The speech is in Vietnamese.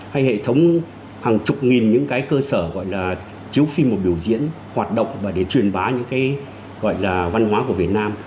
hay hệ thống hàng chục nghìn những cái cơ sở gọi là chiếu phim biểu diễn hoạt động và để truyền bá những cái gọi là văn hóa của việt nam